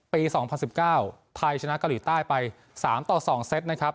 ปีสองพันสิบเก้าไทยชนะเกาหลีใต้ไปสามต่อสองเซตนะครับ